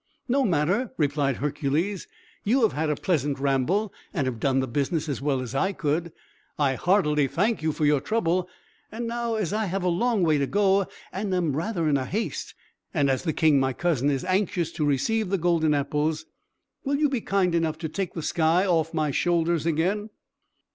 "No matter," replied Hercules. "You have had a pleasant ramble, and have done the business as well as I could. I heartily thank you for your trouble. And now, as I have a long way to go, and am rather in haste and as the king, my cousin, is anxious to receive the golden apples will you be kind enough to take the sky off my shoulders again?"